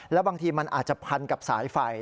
แล้วบางทีมันอาจจะพันกับสายไฟ